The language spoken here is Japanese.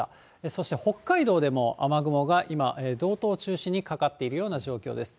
そして北海道でも雨雲が今、道東を中心にかかっているような状況です。